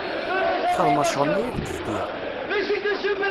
Txedmeḍ ccɣl-nni i ak-fkiɣ?